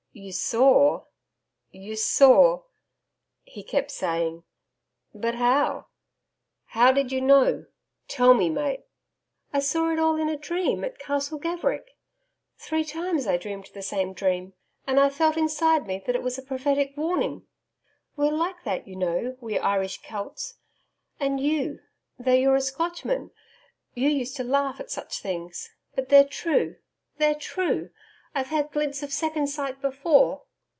'You saw you saw ' he kept saying. 'But how how did you know? Tell me, Mate.' 'I saw it all in a dream at Castle Gaverick. Three times I dreamed the same dream; and I felt, inside me, that it was a prophetic warning. We're like that, you know, we Irish Celts. And you though you're a Scotchman you used to laugh at such things! But they're true; they're true I've had glints of second sight before.